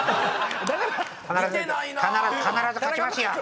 「必ず必ず勝ちますよ」